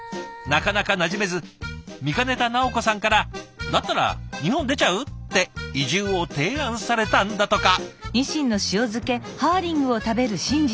なかなかなじめず見かねた奈央子さんから「だったら日本出ちゃう？」って移住を提案されたんだとか。